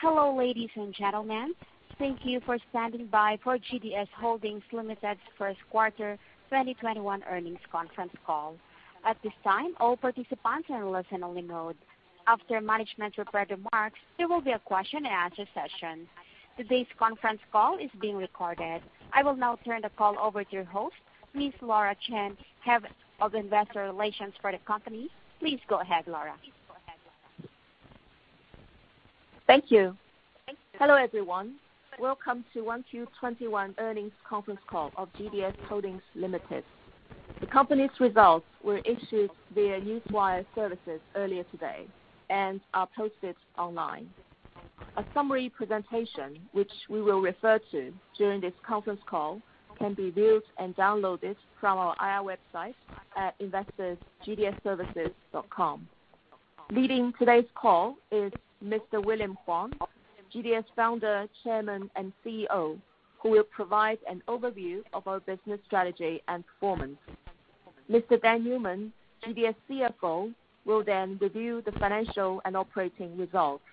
Hello, ladies and gentlemen. Thank you for standing by for GDS Holdings Limited's First Quarter 2021 Earnings Conference Call. At this time, all participants are in listen only mode. After management prepared remarks, there will be a question and answer session. Today's conference call is being recorded. I will now turn the call over to your host, Ms. Laura Chen, Head of Investor Relations for the company. Please go ahead, Laura. Thank you. Hello, everyone. Welcome to 1Q 2021 Earnings Conference Call of GDS Holdings Limited. The company's results were issued via Newswire Services earlier today, and are posted online. A summary presentation, which we will refer to during this conference call, can be viewed and downloaded from our IR website at investors.gds-services.com. Leading today's call is Mr. William Huang, GDS Founder, Chairman, and CEO, who will provide an overview of our business strategy and performance. Mr. Dan Newman, GDS CFO, will then review the financial and operating results.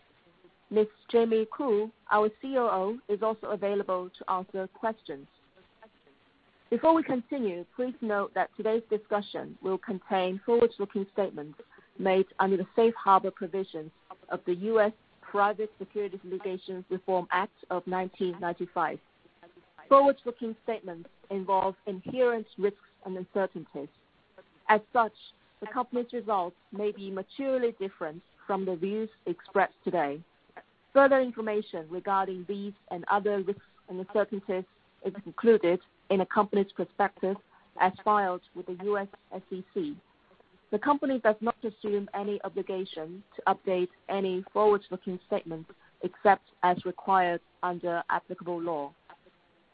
Ms. Jamie Khoo, our COO, is also available to answer questions. Before we continue, please note that today's discussion will contain forward-looking statements made under the Safe Harbor Provisions of the US Private Securities Litigation Reform Act of 1995. Forward-looking statements involve inherent risks and uncertainties. As such, the company's results may be materially different from the views expressed today. Further information regarding these and other risks and uncertainties is included in the company's prospectus as filed with the US SEC. The company does not assume any obligation to update any forward-looking statements except as required under applicable law.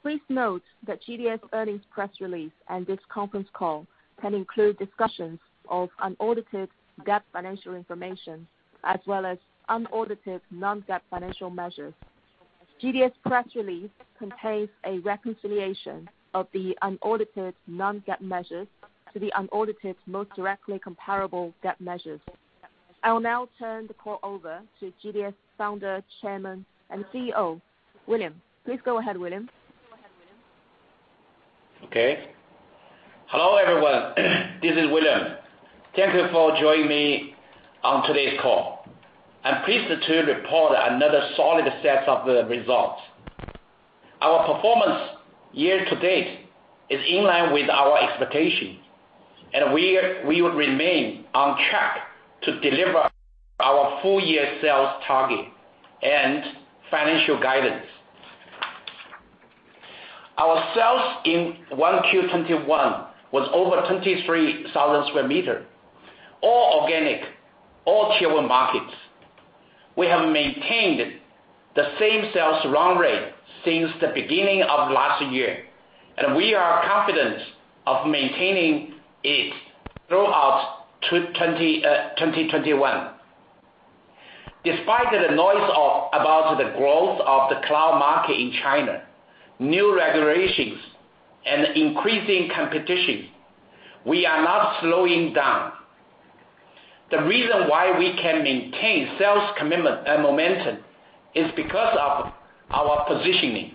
Please note that GDS earnings press release and this conference call can include discussions of unaudited GAAP financial information, as well as unaudited non-GAAP financial measures. GDS press release contains a reconciliation of the unaudited non-GAAP measures to the unaudited most directly comparable GAAP measures. I will now turn the call over to GDS Founder, Chairman, and CEO, William. Please go ahead, William. Okay. Hello, everyone. This is William. Thank you for joining me on today's call. I'm pleased to report another solid set of the results. Our performance year to date is in line with our expectations. We would remain on track to deliver our full year sales target and financial guidance. Our sales in 1Q 2021 was over 23,000 sq m. All organic. All Tier 1 Markets. We have maintained the same sales run rate since the beginning of last year. We are confident of maintaining it throughout 2021. Despite the noise about the growth of the cloud market in China, new regulations, and increasing competition, we are not slowing down. The reason why we can maintain sales commitment and momentum is because of our positioning.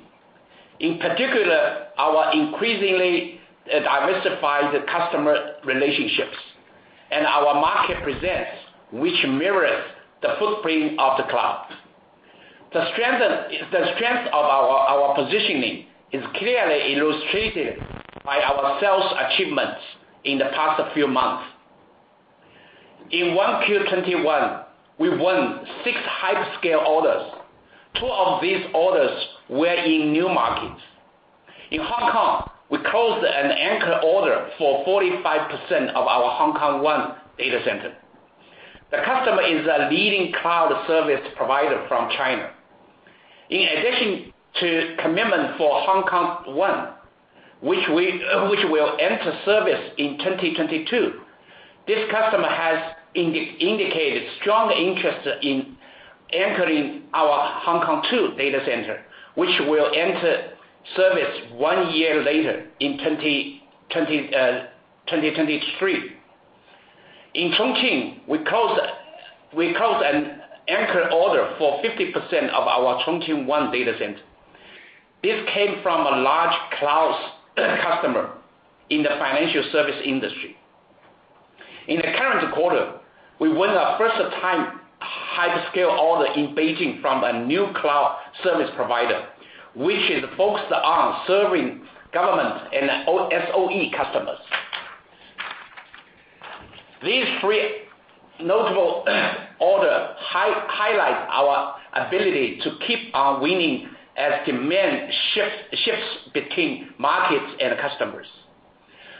In particular, our increasingly diversified customer relationships and our market presence, which mirrors the footprint of the cloud. The strength of our positioning is clearly illustrated by our sales achievements in the past few months. In 1Q 2021, we won six hyperscale orders. Two of these orders were in new markets. In Hong Kong, we closed an anchor order for 45% of our Hong Kong One data center. The customer is a leading cloud service provider from China. In addition to commitment for Hong Kong One, which will enter service in 2022, this customer has indicated strong interest in anchoring our Hong Kong Two data center, which will enter service one year later in 2023. In Chongqing, we closed an anchor order for 50% of our Chongqing One data center. This came from a large cloud customer in the financial service industry. In the current quarter, we won a first time hyperscale order in Beijing from a new cloud service provider, which is focused on serving government and SOE customers. These three notable orders highlight our ability to keep on winning as demand shifts between markets and customers.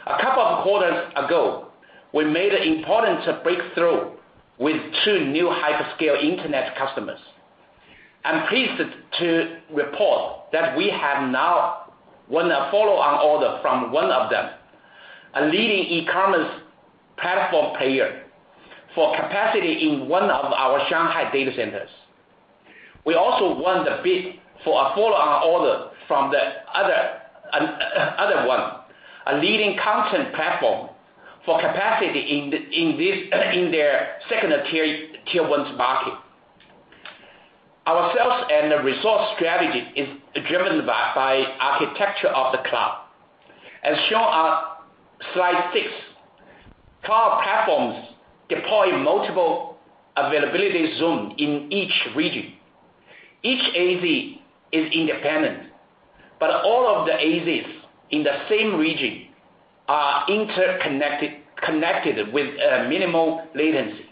A couple of quarters ago, we made an important breakthrough with two new hyperscale internet customers. I'm pleased to report that we have now won a follow-on order from one of them, a leading e-commerce platform player, for capacity in one of our Shanghai data centers. We also won the bid for a follow-on order from the other one, a leading content platform for capacity in their secondary and Tier 1 Market. Our sales and resource strategy is driven by architecture of the cloud. As shown on slide six, cloud platforms deploy multiple availability zone in each region. Each AZ is independent, but all of the AZs in the same region are interconnected with a minimal latency.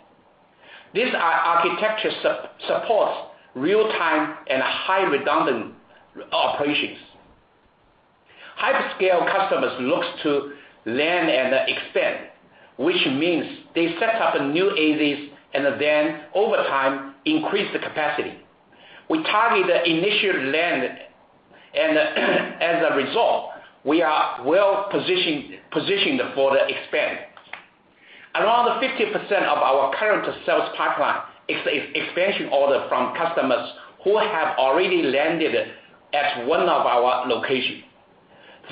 This architecture supports real-time and highly redundant operations. Hyperscale customers look to land and expand, which means they set up new AZs and then over time increase the capacity. We target the initial land, and as a result, we are well-positioned for the expand. Around 50% of our current sales pipeline is expansion orders from customers who have already landed at one of our locations.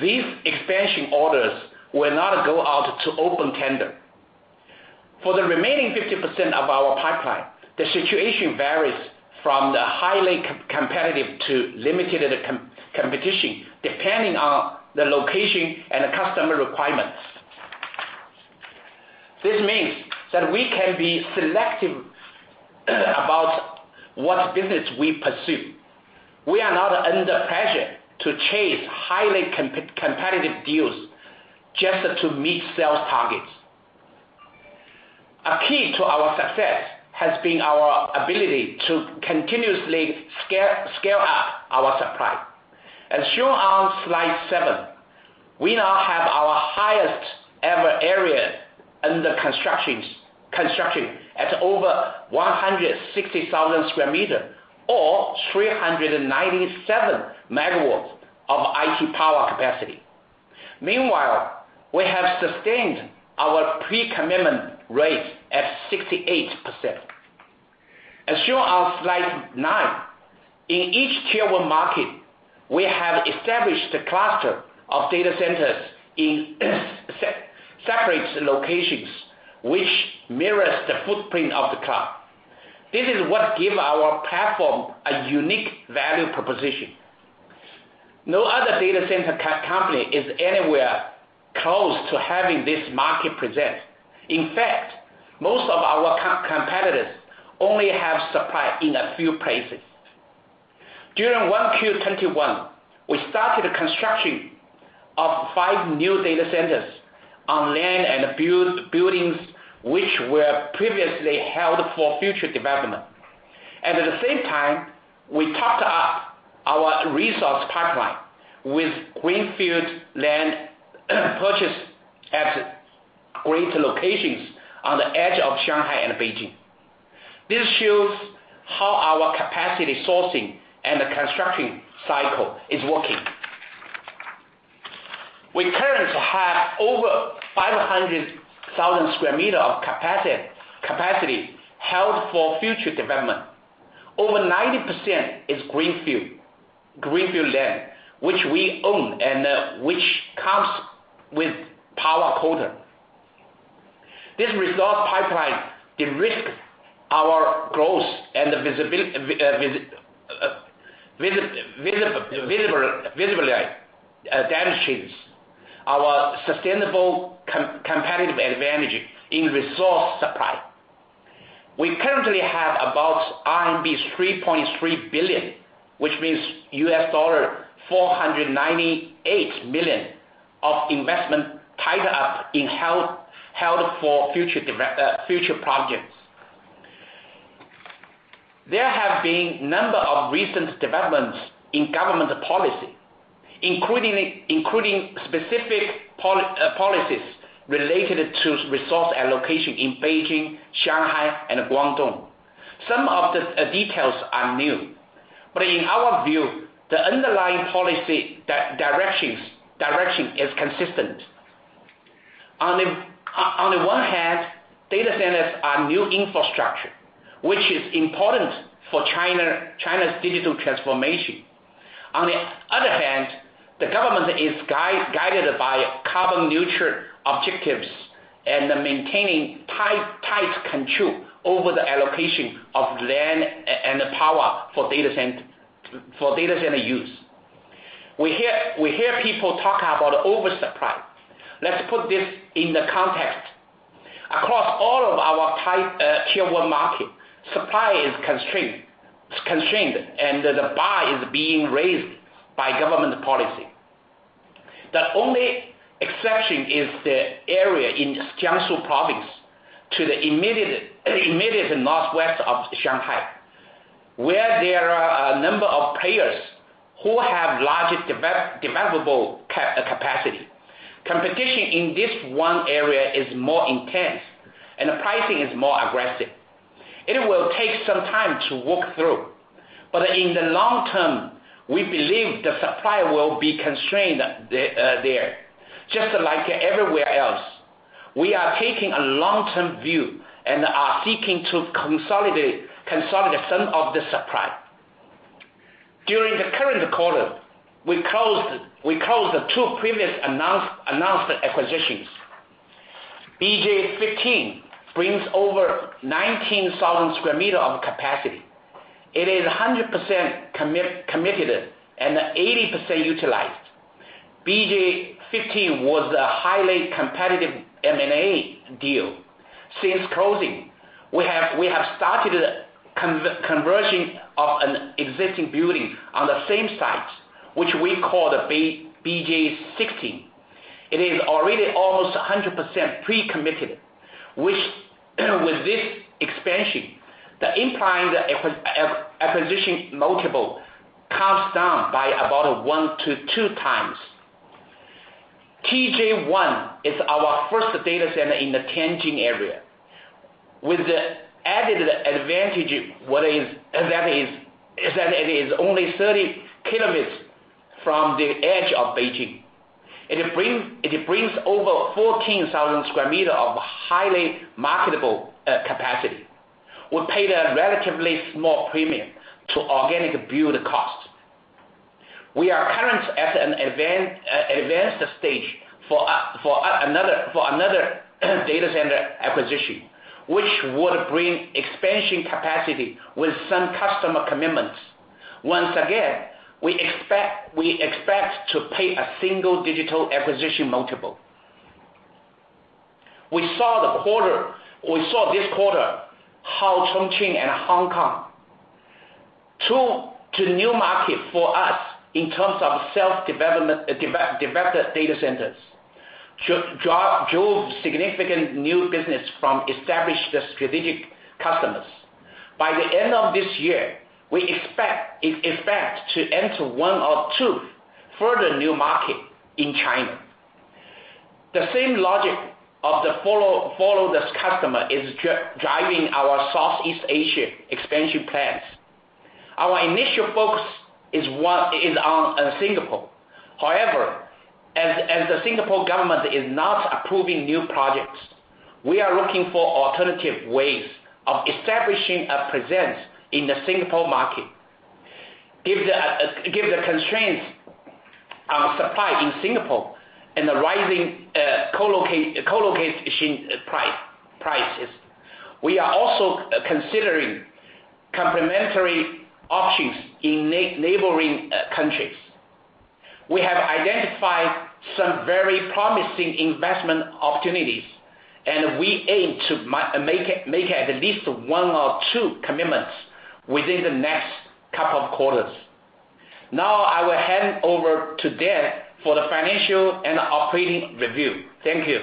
These expansion orders will not go out to open tender. For the remaining 50% of our pipeline, the situation varies from the highly competitive to limited competition, depending on the location and customer requirements. This means that we can be selective about what business we pursue. We are not under pressure to chase highly competitive deals just to meet sales targets. A key to our success has been our ability to continuously scale up our supply. As shown on slide seven, we now have our highest ever area under construction at over 160,000 sq m or 397 MW of IT power capacity. Meanwhile, we have sustained our pre-commitment rate at 68%. As shown on slide nine, in each Tier 1 Market, we have established the cluster of data centers in separate locations, which mirrors the footprint of the cloud. This is what give our platform a unique value proposition. No other data center company is anywhere close to having this market presence. In fact, most of our competitors only have supply in a few places. During 1Q 2021, we started the construction of five new data centers on land and buildings which were previously held for future development. At the same time, we topped up our resource pipeline with greenfield land purchased at great locations on the edge of Shanghai and Beijing. This shows how our capacity sourcing and the construction cycle is working. We currently have over 500,000 sq m of capacity held for future development. Over 90% is greenfield land, which we own and which comes with power quota. This resource pipeline de-risk our growth and visibly advantages our sustainable competitive advantage in resource supply. We currently have about RMB 3.3 billion, which means $498 million of investment tied up in held for future projects. There have been a number of recent developments in government policy, including specific policies related to resource allocation in Beijing, Shanghai, and Guangdong. Some of the details are new, but in our view, the underlying policy direction is consistent. Data centers are new infrastructure, which is important for China's digital transformation. The government is guided by carbon-neutral objectives and maintaining tight control over the allocation of land and power for data center use. We hear people talking about oversupply. Let's put this into context. Across all of our Tier 1 Market, supply is constrained, and the bar is being raised by government policy. The only exception is the area in Jiangsu province to the immediate northwest of Shanghai, where there are a number of players who have large developable capacity. Competition in this one area is more intense, and pricing is more aggressive. It will take some time to work through, in the long term, we believe the supply will be constrained there, just like everywhere else. We are taking a long-term view and are seeking to consolidate some of the supply. During the current quarter, we closed the two previous announced acquisitions. BJ15 brings over 19,000 sq m of capacity. It is 100% committed and 80% utilized. BJ15 was a highly competitive M&A deal. Since closing, we have started the conversion of an existing building on the same site, which we call the BJ16. It is already almost 100% pre-committed. With this expansion, the implied acquisition multiple comes down by about 1x-2x. TJ1 is our first data center in the Tianjin area, with the added advantage that it is only 30 km from the edge of Beijing. It brings over 14,000 sq m of highly marketable capacity. We paid a relatively small premium to organic build cost. We are currently at an advanced stage for another data center acquisition, which would bring expansion capacity with some customer commitments. Once again, we expect to pay a single-digit acquisition multiple. We saw this quarter how Chongqing and Hong Kong, two new markets for us in terms of self-developed data centers, drove significant new business from established strategic customers. By the end of this year, we expect in effect to enter one or two further new markets in China. The same logic of the follow-the-customer is driving our Southeast Asia expansion plans. Our initial focus is on Singapore. However, as the Singapore government is not approving new projects, we are looking for alternative ways of establishing a presence in the Singapore market. Given the constrained supply in Singapore and the rising colocation prices, we are also considering complementary options in neighboring countries. We have identified some very promising investment opportunities, and we aim to make at least one or two commitments within the next couple of quarters. Now I will hand over to Dan Newman for the financial and operating review. Thank you.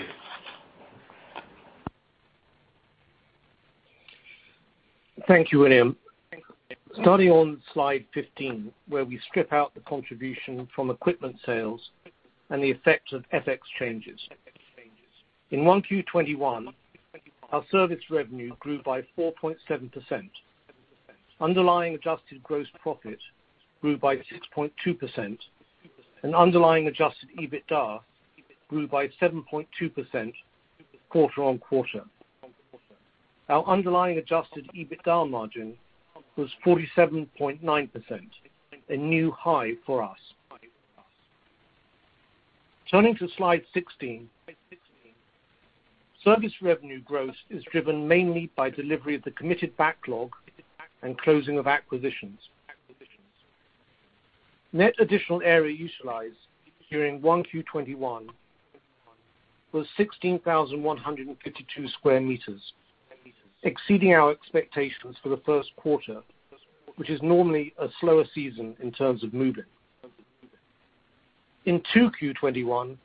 Thank you, William. Starting on slide 15, where we strip out the contribution from equipment sales and the effects of FX changes. In 1Q 2021, our service revenue grew by 4.7%. Underlying adjusted gross profit grew by 6.2%, and underlying Adjusted EBITDA grew by 7.2% quarter-on-quarter. Our underlying Adjusted EBITDA margin was 47.9%, a new high for us. Turning to slide 16. Service revenue growth is driven mainly by delivery of the committed backlog and closing of acquisitions. Net additional area utilized during 1Q 2021 was 16,152 sq m, exceeding our expectations for the first quarter, which is normally a slower season in terms of move-in. In 2Q 2021,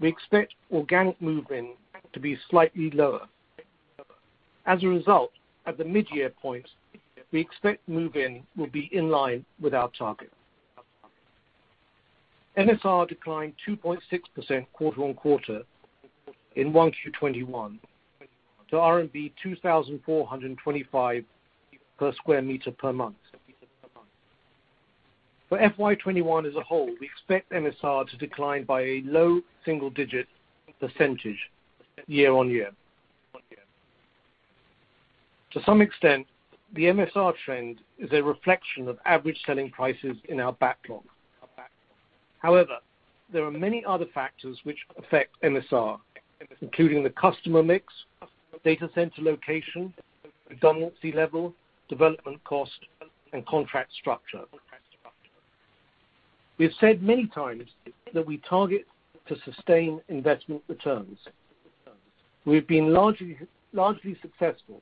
we expect organic move-in to be slightly lower. As a result, at the mid-year point, we expect move-in will be in line with our target. MSR declined 2.6% quarter-on-quarter in 1Q 2021 to RMB 2,425 per sq m per month. For FY 2021 as a whole, we expect MSR to decline by a low single-digit year-over-year. To some extent, the MSR trend is a reflection of average selling prices in our backlog. There are many other factors which affect MSR, including the customer mix, data center location, redundancy level, development cost, and contract structure. We have said many times that we target to sustain investment returns. We've been largely successful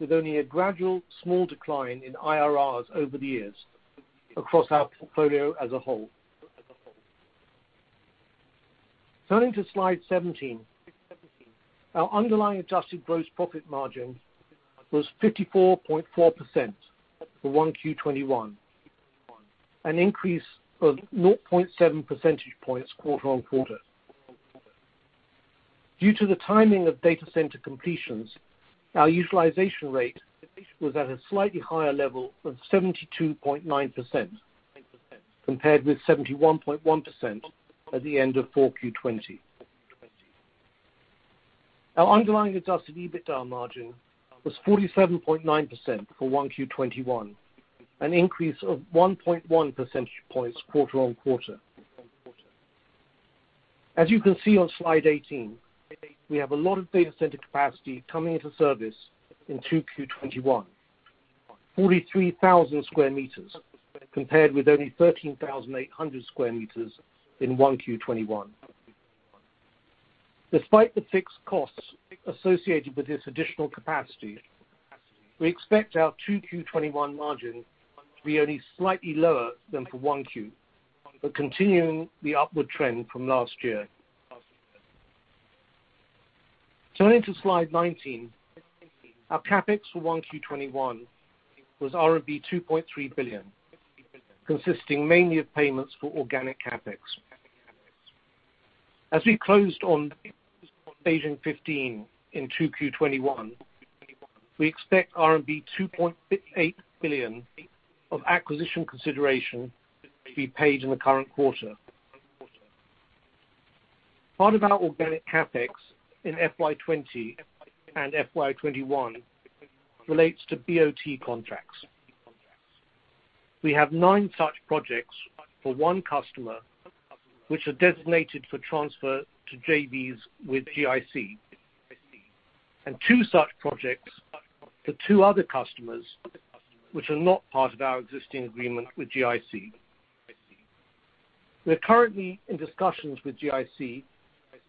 with only a gradual small decline in IRRs over the years across our portfolio as a whole. Turning to slide 17. Our underlying adjusted gross profit margin was 54.4% for 1Q 2021, an increase of 0.7 percentage points quarter-over-quarter. Due to the timing of data center completions, our utilization rate was at a slightly higher level of 72.9%, compared with 71.1% at the end of 4Q 2020. Our underlying Adjusted EBITDA margin was 47.9% for 1Q 2021, an increase of 1.1 percentage points quarter on quarter. As you can see on slide 18, we have a lot of data center capacity coming into service in 2Q21. 43,000 sq m compared with only 13,800 sq m in 1Q 2021. Despite the fixed costs associated with this additional capacity, we expect our 2Q 2021 margin to be only slightly lower than for 1Q, but continuing the upward trend from last year. Turning to slide 19. Our CapEx for 1Q 2021 was RMB 2.3 billion, consisting mainly of payments for organic CapEx. As we closed on Beijing 15 in 2Q 2021, we expect RMB 2.8 billion of acquisition consideration to be paid in the current quarter. Part of our organic CapEx in FY 2020 and FY 2021 relates to BOT contracts. We have nine such projects for one customer which are designated for transfer to JVs with GIC, and two such projects for two other customers, which are not part of our existing agreement with GIC. We are currently in discussions with GIC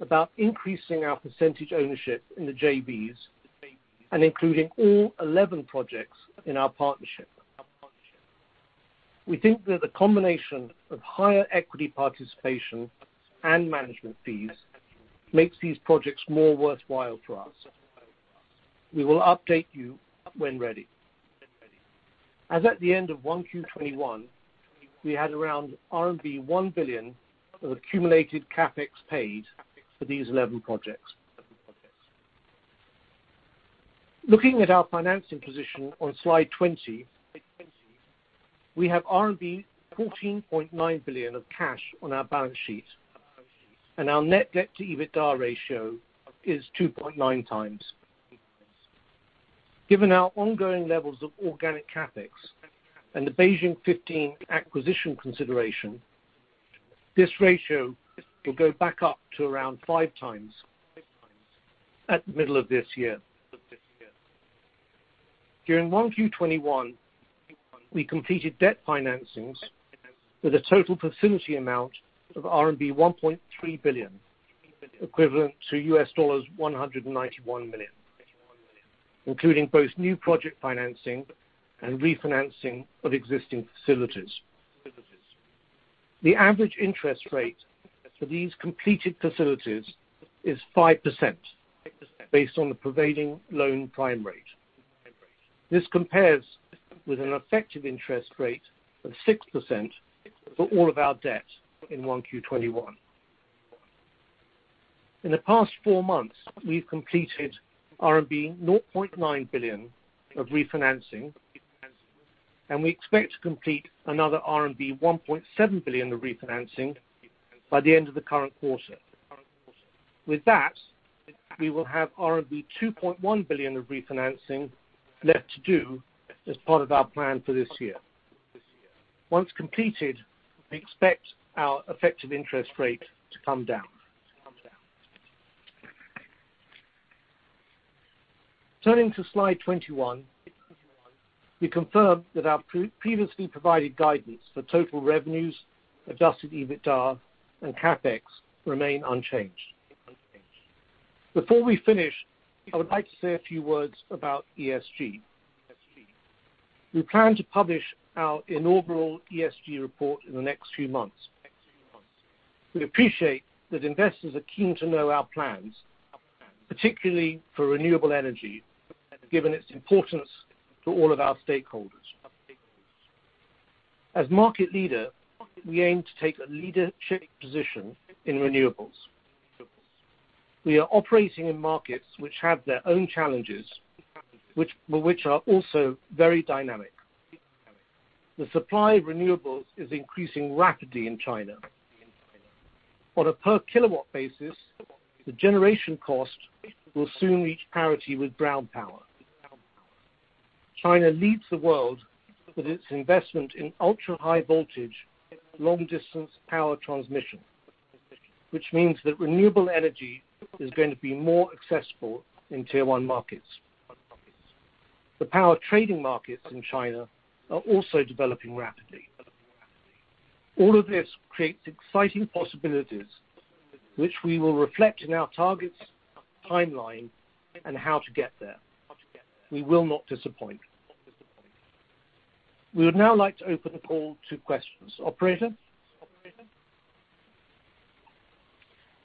about increasing our percentage ownership in the JVs and including all 11 projects in our partnership. We think that the combination of higher equity participation and management fees makes these projects more worthwhile for us. We will update you when ready. As at the end of 1Q 2021, we had around RMB 1 billion of accumulated CapEx paid for these 11 projects. Looking at our financing position on Slide 20, we have RMB 14.9 billion of cash on our balance sheet, and our net debt to EBITDA ratio is 2.9x. Given our ongoing levels of organic CapEx and the Beijing 15 acquisition consideration, this ratio will go back up to around five times at the middle of this year. During 1Q 2021, we completed debt financings with a total facility amount of RMB 1.3 billion, equivalent to $191 million, including both new project financing and refinancing of existing facilities. The average interest rate for these completed facilities is 5%, based on the prevailing Loan Prime Rate. This compares with an effective interest rate of 6% for all of our debt in 1Q 2021. In the past four months, we've completed RMB 0.9 billion of refinancing, and we expect to complete another RMB 1.7 billion of refinancing by the end of the current quarter. With that, we will have RMB 2.1 billion of refinancing left to do as part of our plan for this year. Once completed, we expect our effective interest rate to come down. Turning to slide 21. We confirm that our previously provided guidance for total revenues, Adjusted EBITDA, and CapEx remain unchanged. Before we finish, I would like to say a few words about ESG. We plan to publish our inaugural ESG report in the next few months. We appreciate that investors are keen to know our plans, particularly for renewable energy, given its importance to all of our stakeholders. As market leader, we aim to take a leadership position in renewables. We are operating in markets which have their own challenges, but which are also very dynamic. The supply of renewables is increasing rapidly in China. On a per kilowatt basis, the generation cost will soon reach parity with brown power. China leads the world with its investment in ultra-high voltage, long-distance power transmission. Which means that renewable energy is going to be more accessible in Tier 1 Markets. The power trading markets in China are also developing rapidly. All of this creates exciting possibilities, which we will reflect in our targets, timeline, and how to get there. We will not disappoint. We would now like to open the call to questions. Operator?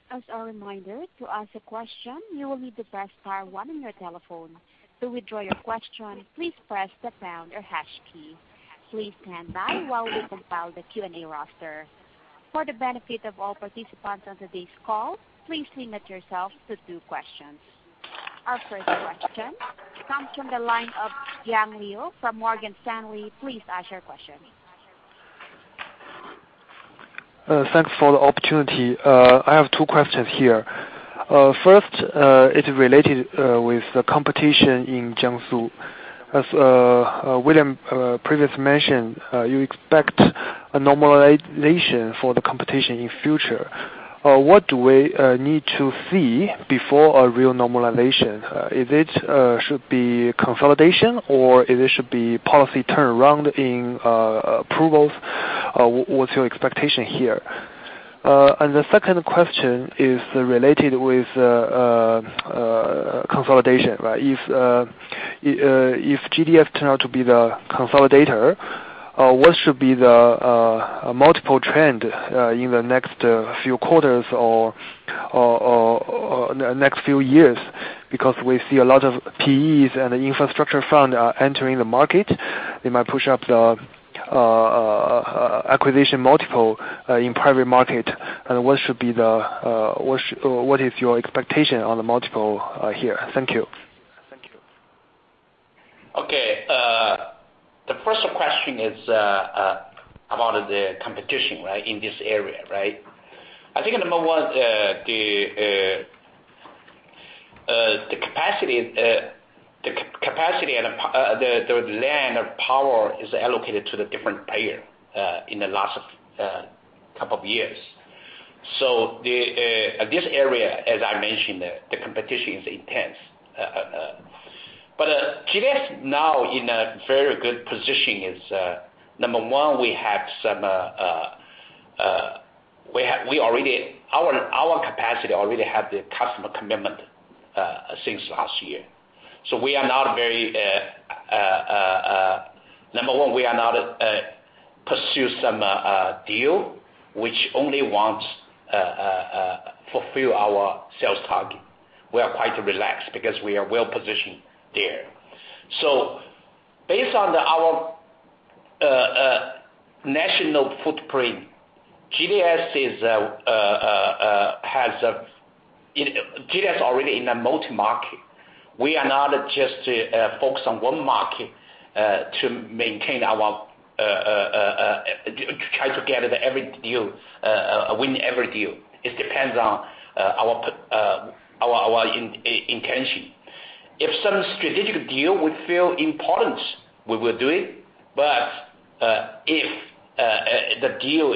As a reminder to ask a question you will need to press star one in your telephone. To withdraw you question please press the pound or hash key. Please stand by while we compile the Q&A roster. For the benefit of all participants on today's call, please limit yourself to two questions. Our first question comes from the line of Yang Liu from Morgan Stanley. Please ask your question. Thanks for the opportunity. I have two questions here. First, it is related with the competition in Jiangsu. As William previously mentioned, you expect a normalization for the competition in future. What do we need to see before a real normalization? Is it should be consolidation, or it should be policy turnaround in approvals? What's your expectation here? The second question is related with consolidation. If GDS turned out to be the consolidator, what should be the multiple trend in the next few quarters or next few years? We see a lot of PEs and infrastructure fund are entering the market. They might push up the acquisition multiple in private market. What is your expectation on the multiple here? Thank you. Okay. The first question is about the competition in this area. I think number one, the capacity and the land or power is allocated to the different player in the last couple of years. This area, as I mentioned, the competition is intense. GDS now in a very good position is, number one, our capacity already have the customer commitment since last year. Number one, we are not pursue some deal which only wants fulfill our sales target. We are quite relaxed because we are well-positioned there. Based on our national footprint, GDS already in a multi-market. We are not just focused on one market to try to win every deal. It depends on our intention. If some strategic deal we feel important, we will do it. If the deal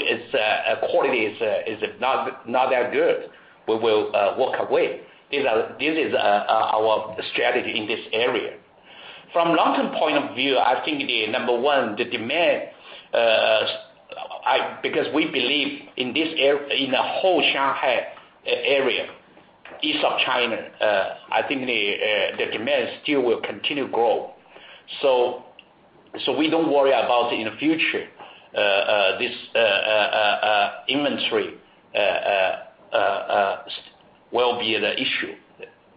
quality is not that good, we will walk away. This is our strategy in this area. From long-term point of view, I think number one, the demand, because we believe in the whole Shanghai area, East of China, I think the demand still will continue grow. We do not worry about in the future, this inventory will be the issue,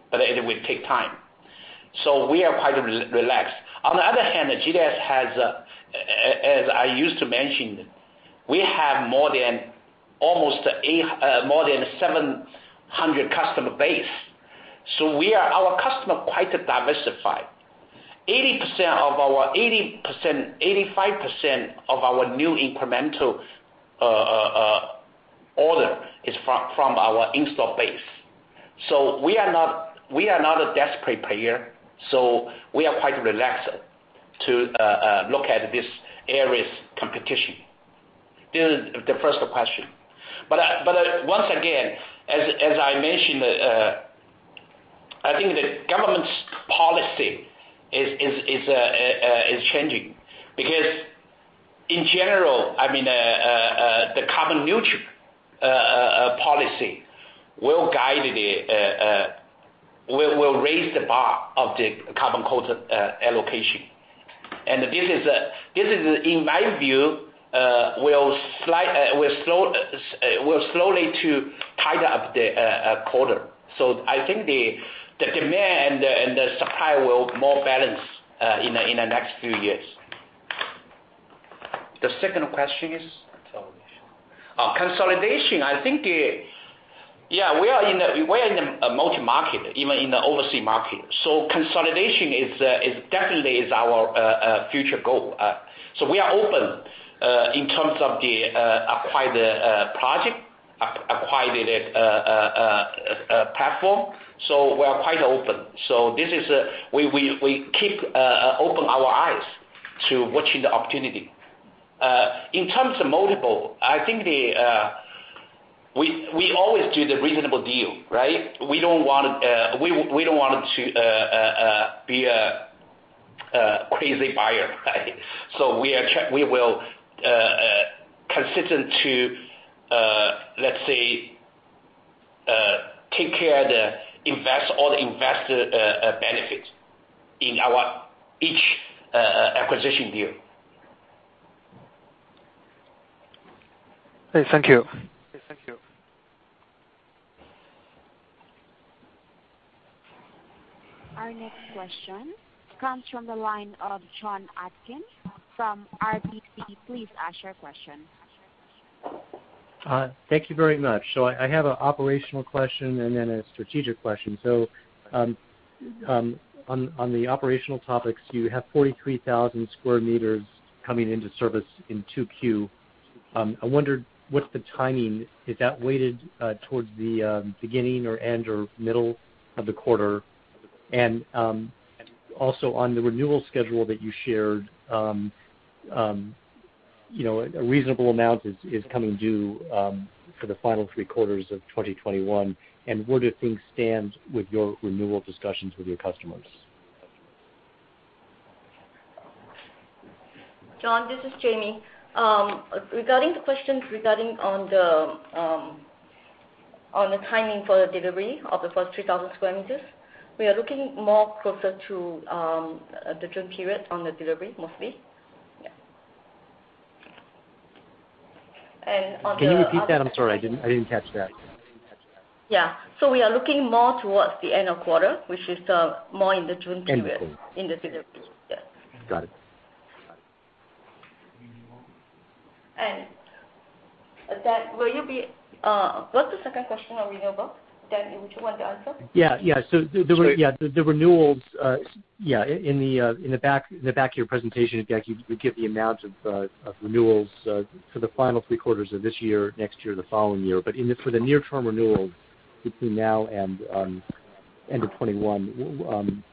but it will take time. We are quite relaxed. On the other hand, GDS has, as I used to mention, we have more than 700 customer base. Our customer quite diversified. 85% of our new incremental order is from our install base. We are not a desperate player, so we are quite relaxed to look at this area's competition. This is the first question. Once again, as I mentioned, I think the government's policy is changing because in general, the carbon-neutral policy will raise the bar of the carbon quota allocation. This is, in my view, will slowly to tighten up the quota. I think the demand and the supply will more balance in the next few years. The second question is? Consolidation. Consolidation. I think, we are in a multi-market, even in the overseas market. Consolidation definitely is our future goal. We are open in terms of the acquire the project, acquire the platform. We are quite open. We keep open our eyes to watching the opportunity. In terms of multiple, I think we always do the reasonable deal. We don't want to be a crazy buyer. We will consistent to, let's say, take care all the investor benefit in our each acquisition deal. Thank you. Our next question comes from the line of Jon Atkin from RBC. Please ask your question. Thank you very much. I have an operational question and then a strategic question. On the operational topics, you have 43,000 sq m coming into service in 2Q. I wondered what the timing, is that weighted towards the beginning or end or middle of the quarter? Also on the renewal schedule that you shared, a reasonable amount is coming due for the final three quarters of 2021. Where do things stand with your renewal discussions with your customers? Jon, this is Jamie. Regarding the questions regarding on the timing for the delivery of the first 43,000 sq m, we are looking more closer to June period on the delivery, mostly. Yeah. Can you repeat that? I'm sorry. I didn't catch that. Yeah. We are looking more towards the end of quarter, which is more in the June period. In the June period. Yeah. Got it. What's the second question on renewables, Dan, would you like to answer? Yeah. The renewals, in the back of your presentation, Dan, you give the amount of renewals for the final three quarters of this year, next year, the following year. But for the near-term renewals between now and end of 2021,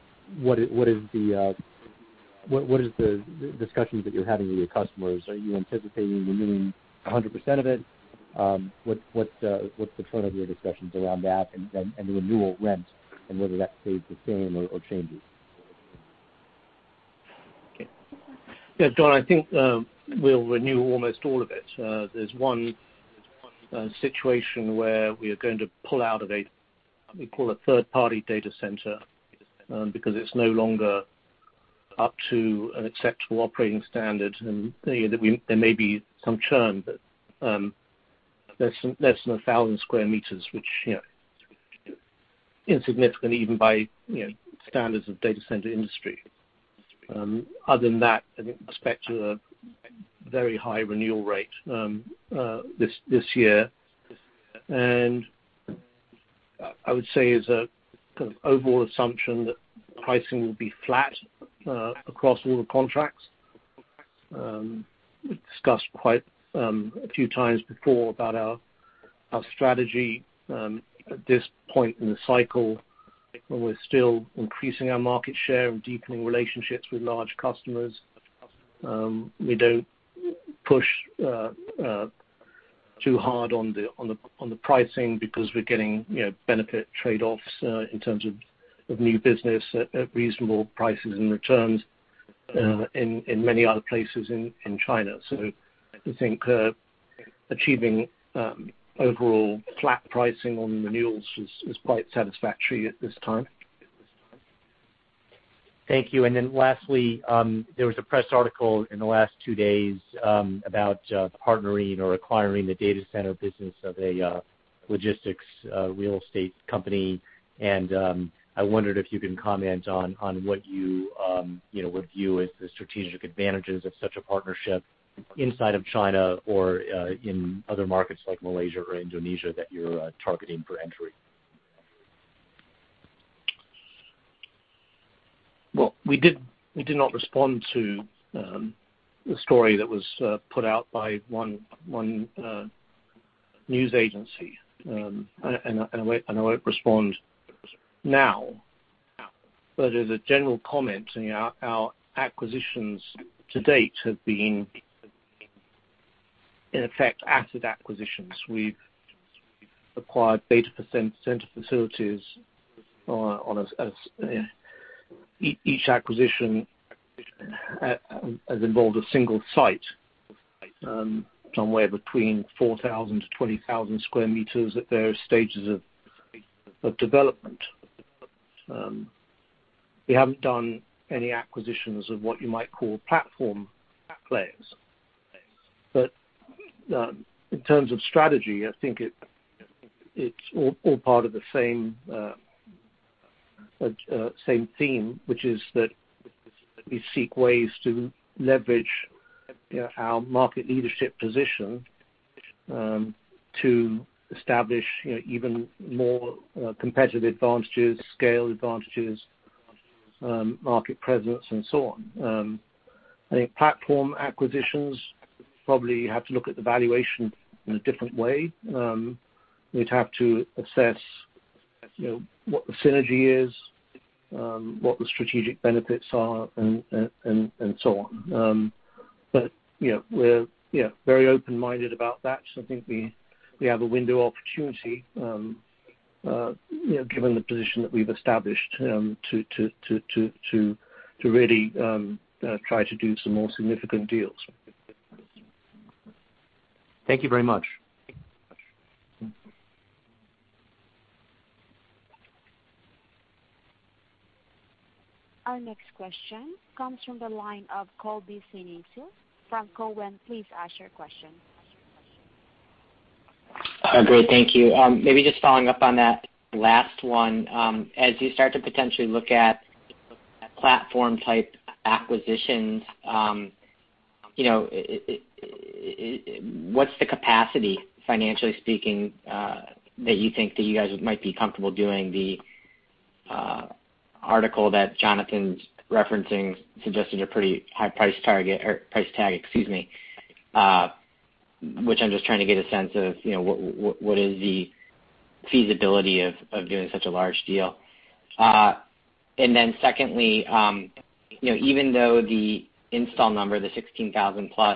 what is the discussions that you're having with your customers? Are you anticipating renewing 100% of it? What's the flow of your discussions around that and renewal rents and whether that stays the same or changes? Jon, I think we'll renew almost all of it. There's one situation where we are going to pull out of a third-party data center because it's no longer up to an exceptional operating standard. There may be some churn, but less than 1,000 sq m, which is insignificant even by standards of data center industry. Other than that, I think we expect a very high renewal rate this year. I would say as an overall assumption that pricing will be flat across all the contracts. We discussed quite a few times before about our strategy at this point in the cycle. We're still increasing our market share and deepening relationships with large customers. We don't push too hard on the pricing because we're getting benefit trade-offs in terms of new business at reasonable prices and returns in many other places in China. I think achieving overall flat pricing on renewals is quite satisfactory at this time. Thank you. Then lastly, there was a press article in the last two days about partnering or acquiring the data center business of a logistics real estate company. I wondered if you can comment on what you would view as the strategic advantages of such a partnership inside of China or in other markets like Malaysia or Indonesia that you're targeting for entry. Well, we did not respond to the story that was put out by one news agency. I won't respond now, but as a general comment, our acquisitions to date have been, in effect, asset acquisitions. We've acquired data center facilities. Each acquisition has involved a single site, somewhere between 4,000 sq m-20,000 sq m at various stages of development. We haven't done any acquisitions of what you might call platform players. In terms of strategy, I think it's all part of the same theme which is that we seek ways to leverage our market leadership position to establish even more competitive advantages, scale advantages, market presence, and so on. I think platform acquisitions probably have to look at the valuation in a different way. We'd have to assess what the synergy is, what the strategic benefits are, and so on. We're very open-minded about that. I think we have a window of opportunity given the position that we've established to really try to do some more significant deals. Thank you very much. Our next question comes from the line of Colby Synesael. From Cowen, please ask your question. Great. Thank you. Maybe just following up on that last one. As you start to potentially look at platform type acquisitions, what's the capacity, financially speaking, that you think that you guys might be comfortable doing, the article that Jonathan's referencing suggested a pretty high price tag, which I'm just trying to get a sense of what is the feasibility of doing such a large deal. Then secondly, even though the install number, the 16,000+,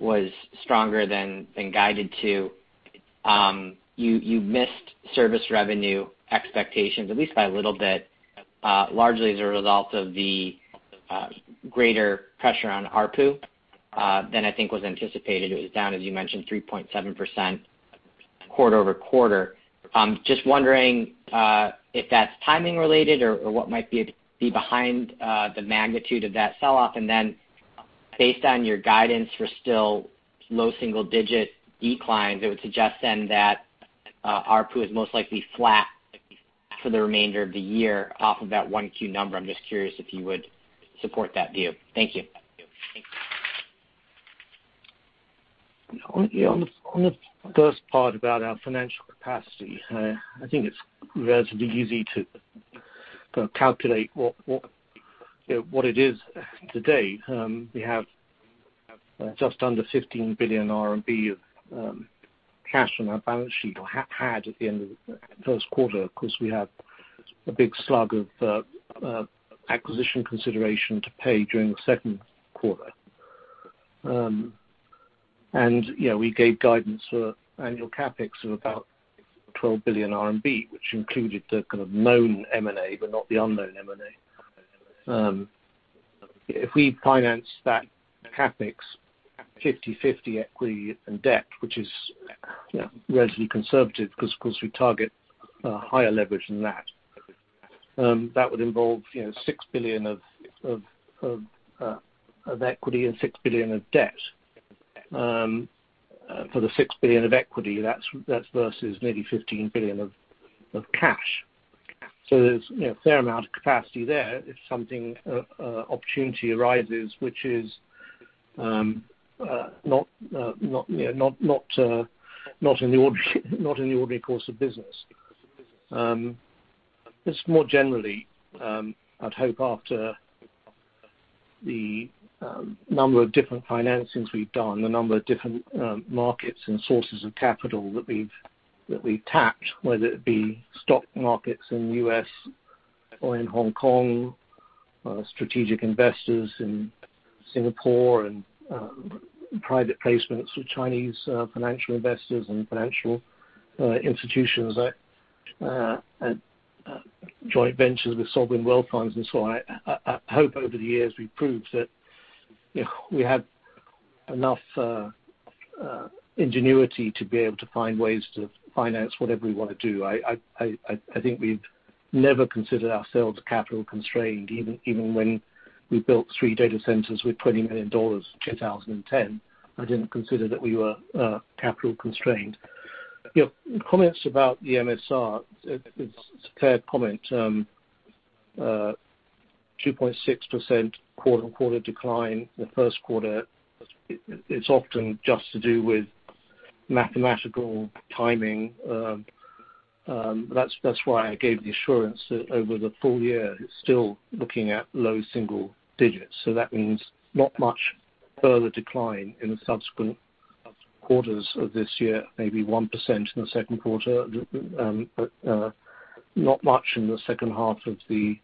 was stronger than guided to, you missed service revenue expectations, at least by a little bit, largely as a result of the greater pressure on ARPU than I think was anticipated. It was down, as you mentioned, 3.7% quarter-over-quarter. Just wondering if that's timing related or what might be behind the magnitude of that sell-off. Based on your guidance for still low single-digit declines, it would suggest then that ARPU is most likely flat for the remainder of the year off of that 1Q number. I'm just curious if you would support that view. Thank you. On the first part about our financial capacity, I think it's relatively easy to calculate what it is today. We have just under 15 billion RMB of cash on our balance sheet, or had at the end of the first quarter, because we have a big slug of acquisition consideration to pay during the second quarter. We gave guidance for annual CapEx of about 12 billion RMB, which included the kind of known M&A, but not the unknown M&A. If we finance that CapEx 50/50 equity and debt, which is relatively conservative because of course we target a higher leverage than that would involve 6 billion of equity and 6 billion of debt. For the 6 billion of equity, that's versus maybe 15 billion of cash. There's a fair amount of capacity there if an opportunity arises which is not in the ordinary course of business. Just more generally, I'd hope after the number of different financings we've done, the number of different markets and sources of capital that we've tapped, whether it be stock markets in the U.S. or in Hong Kong, strategic investors in Singapore and private placements with Chinese financial investors and financial institutions, and joint ventures with sovereign wealth funds and so on. I hope over the years we've proved that we have enough ingenuity to be able to find ways to finance whatever we want to do. I think we've never considered ourselves capital constrained, even when we built three data centers with RMB 20 million in 2010. I didn't consider that we were capital constrained. Your comments about the MSR, it's a fair comment. 2.6% quarter-on-quarter decline in the first quarter. It's often just to do with mathematical timing. That's why I gave the assurance that over the full year, it's still looking at low single digits. That means not much further decline in the subsequent quarters of this year, maybe 1% in the second quarter, but not much in the second half of the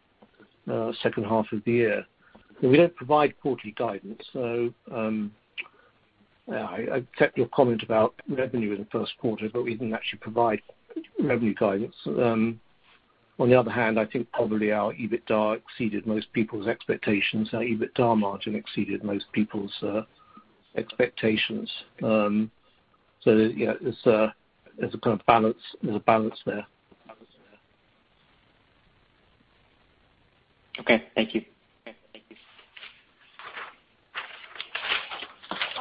year. We don't provide quarterly guidance. I accept your comment about revenue in the first quarter, but we didn't actually provide revenue guidance. On the other hand, I think probably our EBITDA exceeded most people's expectations. Our EBITDA margin exceeded most people's expectations. Yeah, there's a kind of balance there. Okay. Thank you.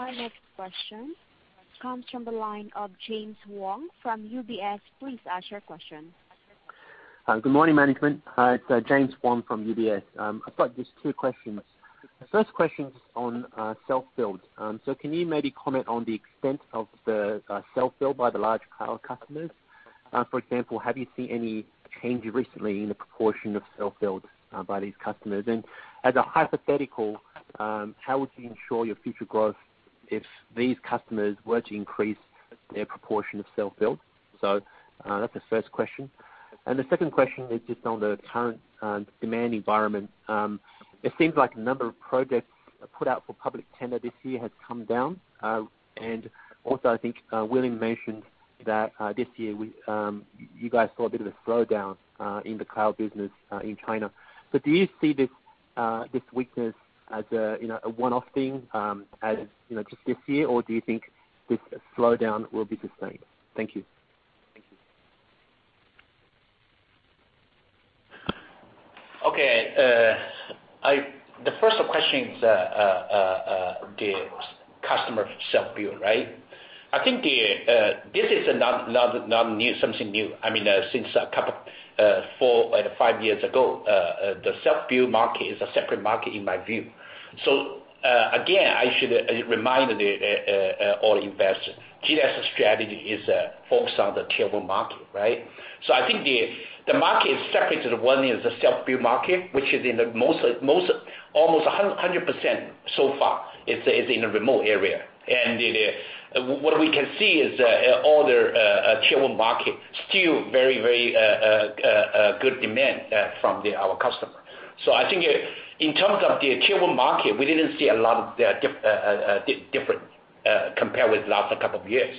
Our next question comes from the line of James Wang from UBS. Please ask your question. Good morning, management. It's James Wang from UBS. I've got just two questions. The first question is on self-build. Can you maybe comment on the extent of the self-build by the large cloud customers? For example, have you seen any change recently in the proportion of self-build by these customers? As a hypothetical, how would you ensure your future growth if these customers were to increase their proportion of self-build? That's the first question. The second question is just on the current demand environment. It seems like a number of projects put out for public tender this year has come down. Also I think William mentioned that this year you guys saw a bit of a slowdown in the cloud business in China. Do you see this weakness as a one-off thing just this year, or do you think this slowdown will be the same? Thank you. Okay. The first question is the customer self-build, right? I think this is not something new. Since four or five years ago, the self-build market is a separate market in my view. Again, I should remind all investors, GDS strategy is focused on the Tier 1 Market, right? I think the market is separate to the one in the self-build market, which is almost 100% so far is in a remote area. What we can see is all the Tier 1 Market still very good demand from our customer. I think in terms of the Tier 1 Market, we didn't see a lot of difference compared with last couple of years.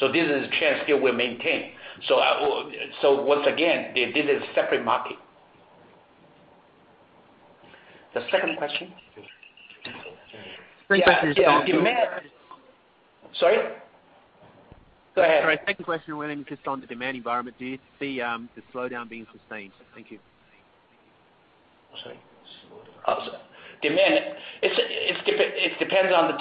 This is a trend still we maintain. Once again, this is a separate market. The second question? Sorry? Go ahead. The second question was just on the demand environment. Do you see the slowdown being sustained? Thank you. Sorry. Slow down. Demand. It depends on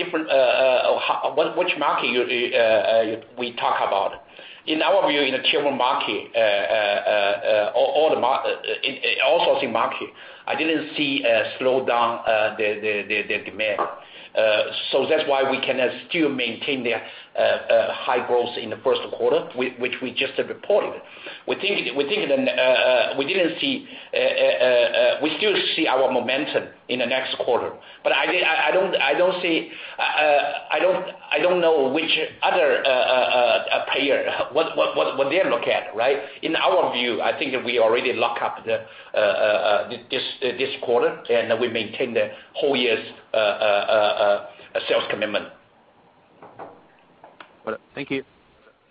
which market we talk about. In our view, in the Tier 1 Market, all hosting market, I didn't see a slowdown their demand. That's why we can still maintain the high growth in the first quarter, which we just reported. We still see our momentum in the next quarter. I don't know which other player, what they look at, right? In our view, I think we already lock up this quarter, and we maintain the whole year's sales commitment. Thank you.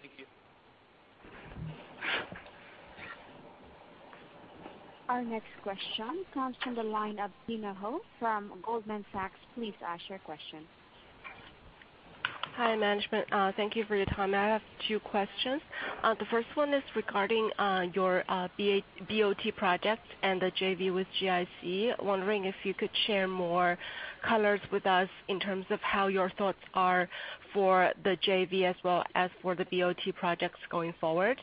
Thank you. Our next question comes from the line of Tina Hou from Goldman Sachs. Please ask your question. Hi, management. Thank you for your time. I have two questions. The first one is regarding your BOT project and the JV with GIC. Wondering if you could share more colors with us in terms of how your thoughts are for the JV as well as for the BOT projects going forward.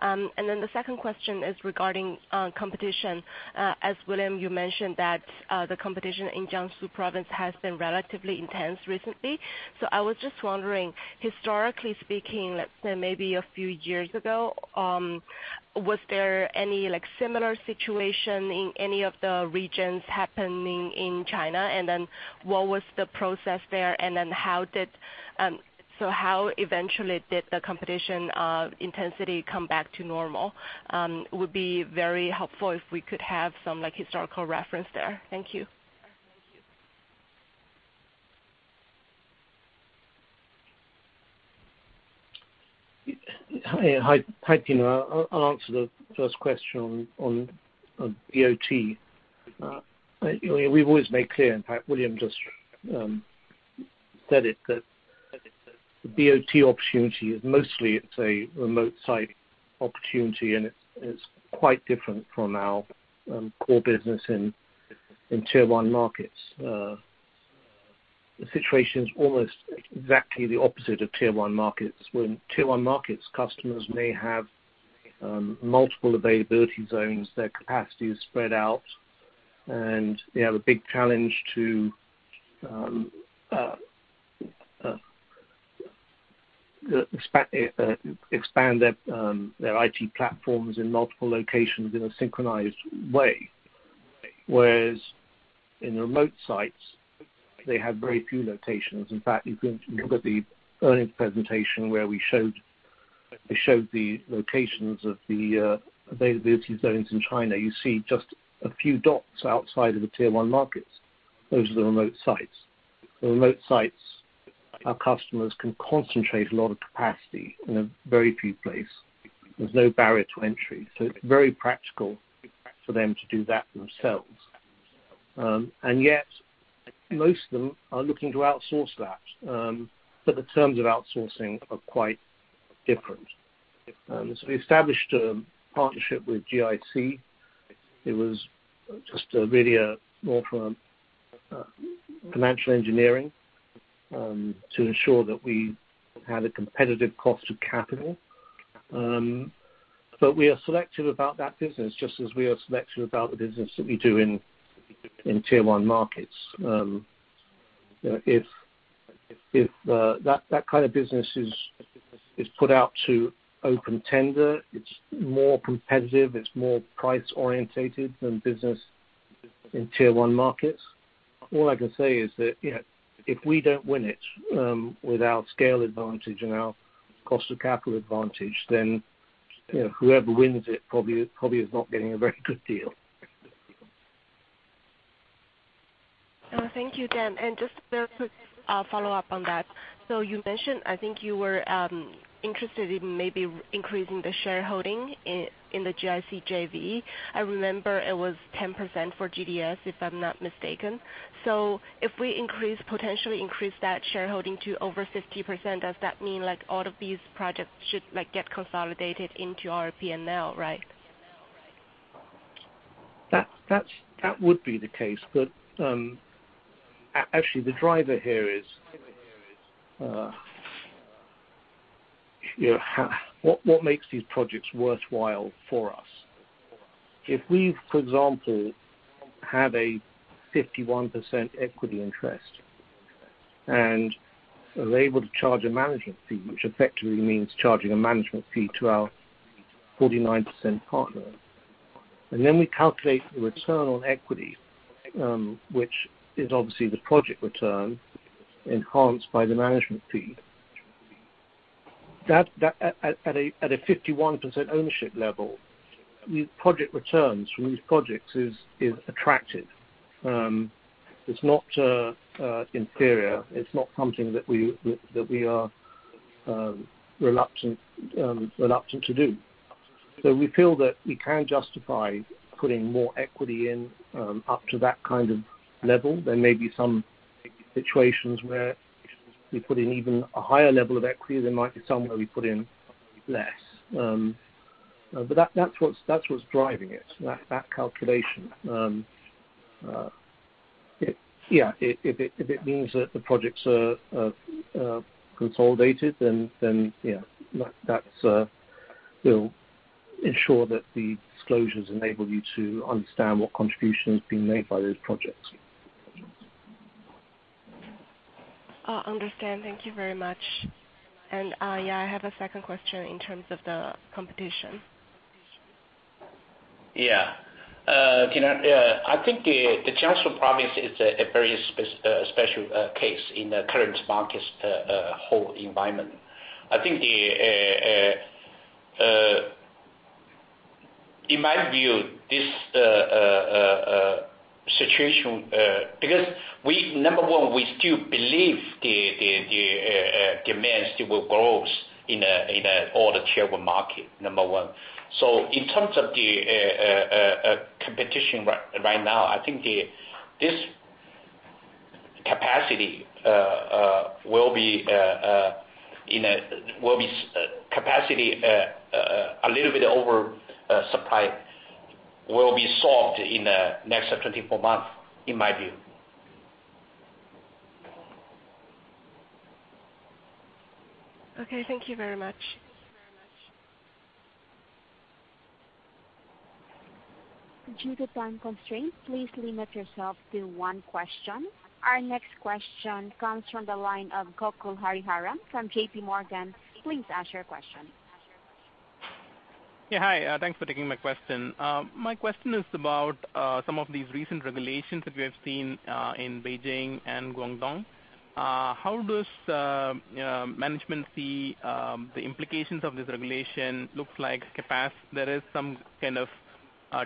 The second question is regarding competition. As William, you mentioned that the competition in Jiangsu province has been relatively intense recently. I was just wondering, historically speaking, say maybe a few years ago, was there any similar situation in any of the regions happening in China? What was the process there, how eventually did the competition intensity come back to normal? It would be very helpful if we could have some historical reference there. Thank you. Hi, Tina. I'll answer the first question on BOT. We've always made clear, in fact, William just said it, that the BOT opportunity is mostly it's a remote site opportunity, and it's quite different from our core business in Tier 1 Markets. The situation is almost exactly the opposite of tier-one markets. When Tier 1 Markets customers may have multiple availability zones, their capacity is spread out, and they have a big challenge to expand their IT platforms in multiple locations in a synchronized way. In remote sites, they have very few locations. In fact, if you look at the earnings presentation where we showed the locations of the availability zones in China, you see just a few dots outside of the Tier 1 Markets. Those are the remote sites. The remote sites, our customers can concentrate a lot of capacity in a very few places. There's no barrier to entry. It's very practical for them to do that themselves. Yet, most of them are looking to outsource that. The terms of outsourcing are quite different. We established a partnership with GIC. It was just really more from a financial engineering to ensure that we had a competitive cost of capital. We are selective about that business, just as we are selective about the business that we do in Tier 1 Markets. If that kind of business is put out to open tender, it's more competitive, it's more price-oriented than business in tier-one markets. All I can say is that if we don't win it with our scale advantage and our cost of capital advantage, then whoever wins it probably is not getting a very good deal. Thank you, Dan. Just to follow up on that. You mentioned, I think you were interested in maybe increasing the shareholding in the GIC JV. I remember it was 10% for GDS, if I'm not mistaken. If we potentially increase that shareholding to over 50%, does that mean all of these projects should get consolidated into our P&L, right? That would be the case, but actually the driver here is. What makes these projects worthwhile for us? If we, for example, had a 51% equity interest and are able to charge a management fee, which effectively means charging a management fee to our 49% partner, and then we calculate the return on equity, which is obviously the project return enhanced by the management fee. At a 51% ownership level, the project returns from these projects is attractive. It's not inferior. It's not something that we are reluctant to do. We feel that we can justify putting more equity in up to that kind of level. There may be some situations where we put in even a higher level of equity. There might be some where we put in less. That's what's driving it, that calculation. If it means that the projects are consolidated, then we'll ensure that the disclosures enable you to understand what contribution has been made by those projects. I understand. Thank you very much. I have a second question in terms of the competition. I think the Jiangsu province is a very special case in the current market whole environment. I think in my view, this situation, because number one, we still believe the demand still will grow in all the shareable market. In terms of the competition right now, I think this capacity a little bit oversupply will be solved in the next 24 months, in my view. Okay. Thank you very much. Due to time constraints, please limit yourself to one question. Our next question comes from the line of Gokul Hariharan from JPMorgan. Please ask your question. Yeah. Hi. Thanks for taking my question. My question is about some of these recent regulations that we have seen in Beijing and Guangdong. How does management see the implications of this regulation look like? There is some kind of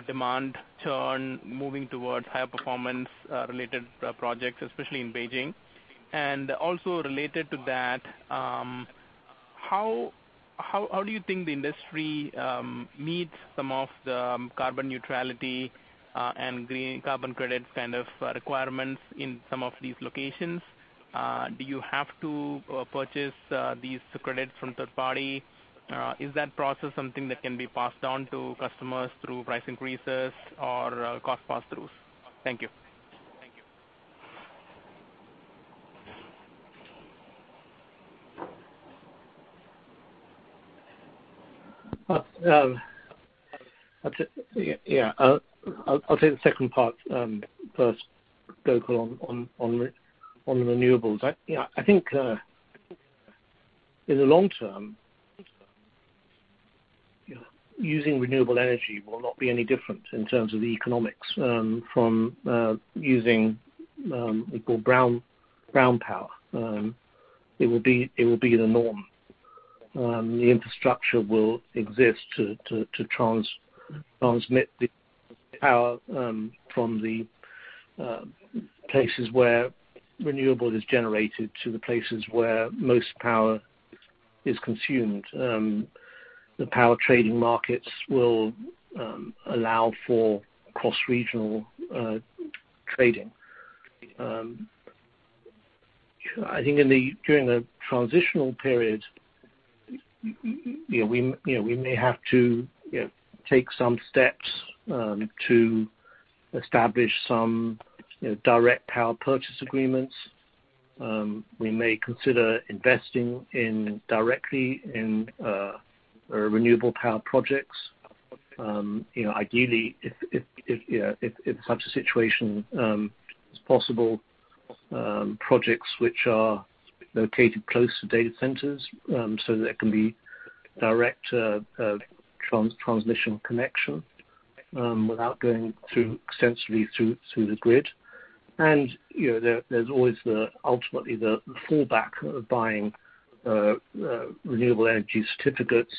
demand churn moving towards high-performance related projects, especially in Beijing. Also related to that, how do you think the industry meets some of the carbon neutrality and green carbon credit requirements in some of these locations? Do you have to purchase these credits from third party? Is that process something that can be passed on to customers through price increases or cost pass-throughs? Thank you. Yeah. I'll take the second part first, Gokul, on renewables. I think in the long term, using renewable energy will not be any different in terms of the economics from using what we call brown power. It will be the norm. The infrastructure will exist to transmit the power from the places where renewable is generated to the places where most power is consumed. The power trading markets will allow for cross-regional trading. I think during the transitional period, we may have to take some steps to establish some direct power purchase agreements. We may consider investing directly in renewable power projects. Ideally, if such a situation is possible projects which are located close to data centers, so there can be direct transmission connection without going extensively through the grid. There's always ultimately the fallback of buying renewable energy certificates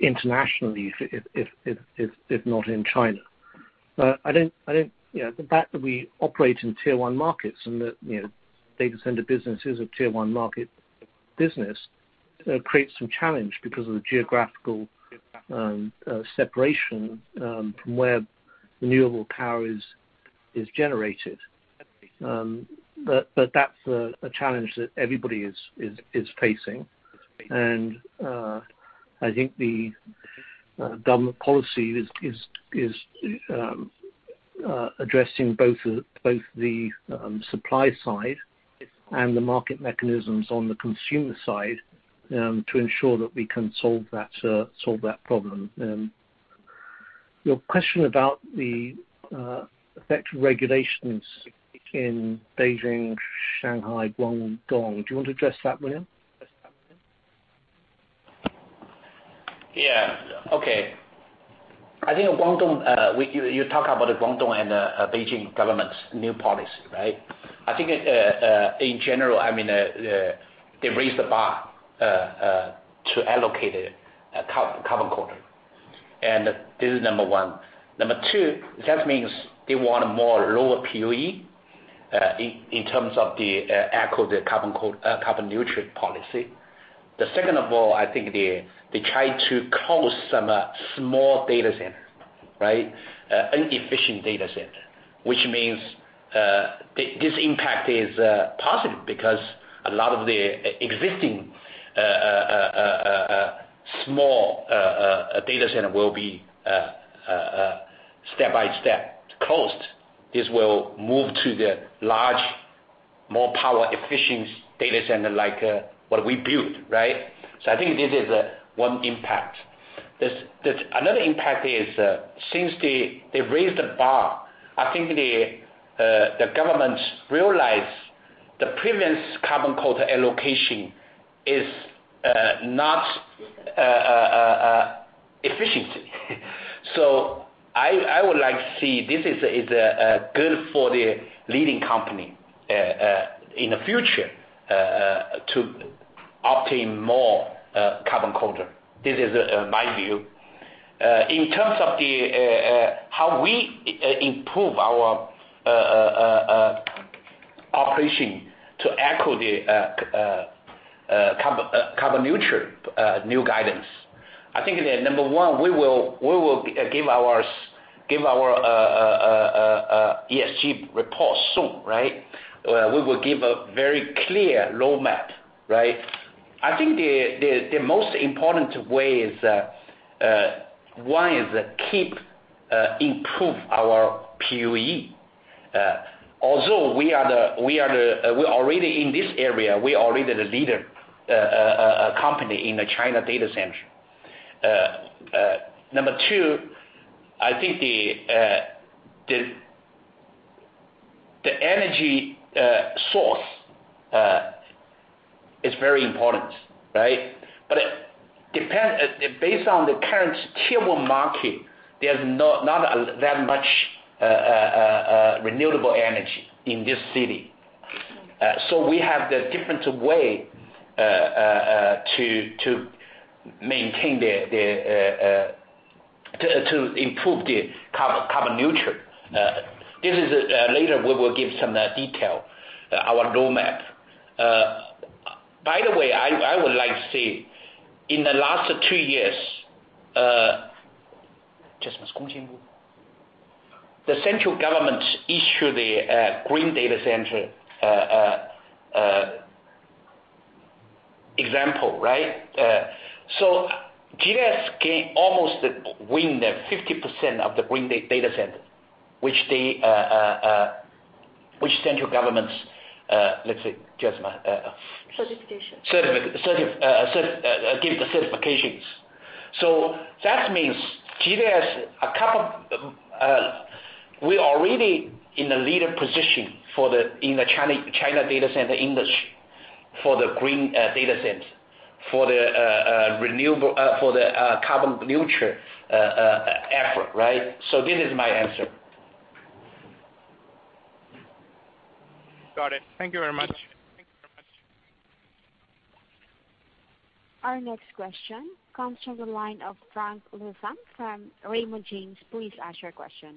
internationally if not in China. The fact that we operate in Tier 1 Markets and that data center business is a tier 1 market business creates some challenge because of the geographical separation from where renewable power is generated. That's a challenge that everybody is facing. I think the government policy is addressing both the supply side and the market mechanisms on the consumer side to ensure that we can solve that problem. Your question about the effect of regulations in Beijing, Shanghai, Guangdong. Do you want to address that, William? Yeah. Okay. You talk about the Guangdong and Beijing government's new policy, right? I think, in general, they raised the bar to allocate the carbon quota. This is number one. Number two, that means they want a more lower PUE in terms of the echo the carbon-neutral policy. The second of all, I think they try to close some small data center. Right? Inefficient data center. Which means this impact is positive because a lot of the existing small data center will be step-by-step closed. This will move to the large, more power efficient data center, like what we built. Right? I think this is one impact. Another impact is, since they raised the bar, I think the government realized the previous carbon quota allocation is not efficient. I would like to see this is good for the leading company in the future to obtain more carbon quota. This is my view. In terms of how we improve our operation to echo the carbon-neutral new guidance. I think that number one, we will give our ESG report soon, right? We will give a very clear roadmap. Right? I think the most important way is, one is keep improve our PUE. Although, we are already in this area, we are already the leader company in the China data center. Number two, I think the energy source is very important, right? Based on the current Tier 1 Market, there's not that much renewable energy in this city. We have the different way to improve the carbon-neutral. Later we will give some detail, our roadmap. By the way, I would like to say, in the last two years, the central government issued the green data center example, right? GDS can almost win the 50% of the green data center, which central governments, let's say Certification. Give the certifications. That means GDS, we are already in a leader position in the China data center industry for the green data center, for the carbon-neutral effort, right? This is my answer. Got it. Thank you very much. Our next question comes from the line of Frank Louthan from Raymond James. Please ask your question.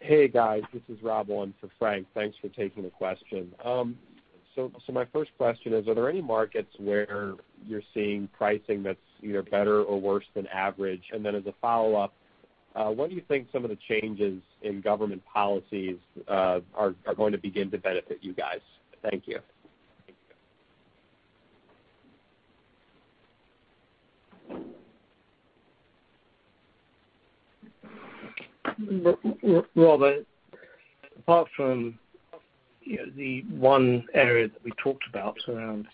Hey, guys, this is Rob on for Frank. Thanks for taking the question. My first question is, are there any markets where you're seeing pricing that's either better or worse than average? As a follow-up, what do you think some of the changes in government policies are going to begin to benefit you guys? Thank you. Robert, apart from the one area that we talked about around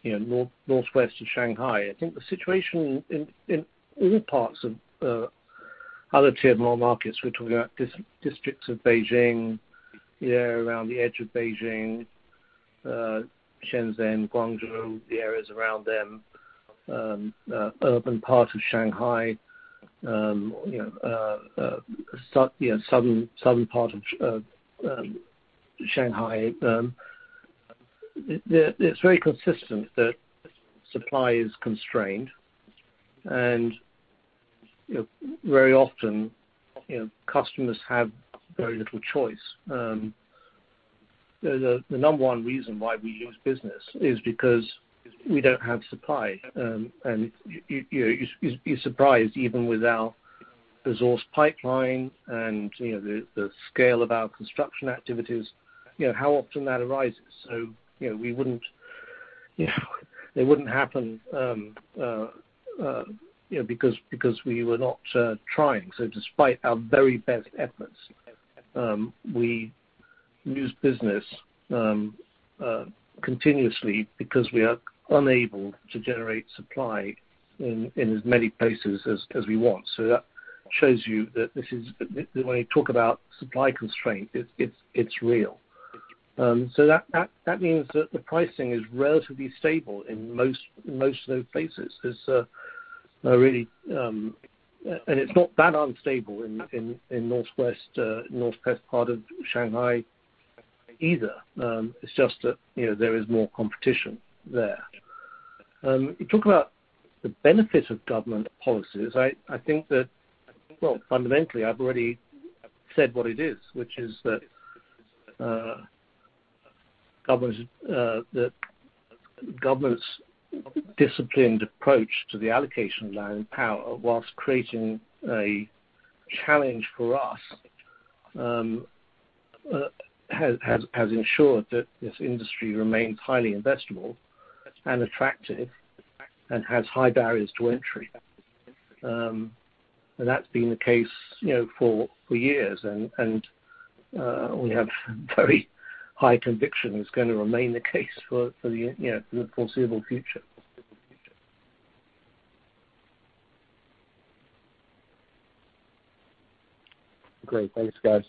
Northwestern Shanghai. I think the situation in all parts of other Tier 1 Markets, we're talking about districts of Beijing, the area around the edge of Beijing, Shenzhen, Guangzhou, the areas around them, urban part of Shanghai, southern part of Shanghai. It's very consistent that supply is constrained, and very often customers have very little choice. The number one reason why we lose business is because we don't have supply. You'd be surprised, even with our resource pipeline and the scale of our construction activities how often that arises. It wouldn't happen because we were not trying. Despite our very best efforts, we lose business continuously because we are unable to generate supply in as many places as we want. That shows you that when you talk about supply constraint, it's real. That means that the pricing is relatively stable in most of those places. It's not that unstable in northwest part of Shanghai either. It's just that there is more competition there. You talk about the benefit of government policies. I think that, well, fundamentally, I've already said what it is, which is that government's disciplined approach to the allocation of land and power, whilst creating a challenge for us, has ensured that this industry remains highly investable and attractive and has high barriers to entry. That's been the case for years, and we have very high conviction it's going to remain the case for the foreseeable future. Great. Thanks, guys.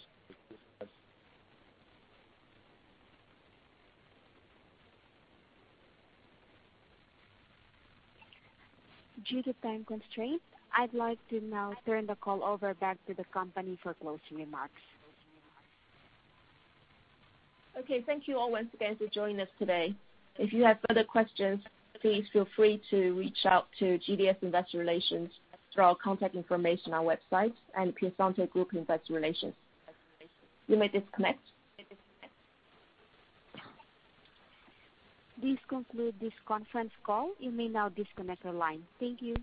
Due to time constraints, I'd like to now turn the call over back to the company for closing remarks. Okay, thank you all once again for joining us today. If you have further questions, please feel free to reach out to GDS Investor Relations through our contact information on our website and The Piacente Group Investor Relations. You may disconnect. This concludes this conference call. You may now disconnect your line. Thank you.